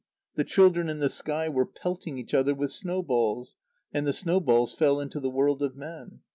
The children in the sky were pelting each other with snowballs, and the snowballs fell into the world of men.